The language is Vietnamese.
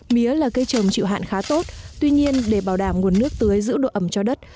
mía là cây trồng chịu hạn khá tốt tuy nhiên để bảo đảm nguồn nước tưới giữ độ ẩm cho đất